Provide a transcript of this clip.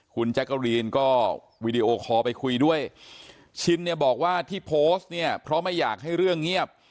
คุณแจ๊กกะรีนก็วีดีโอคอลไปคุยด้วยชินเนี่ยบอกว่าที่โพสต์เนี่ยเพราะไม่อยากให้เรื่องเงียบ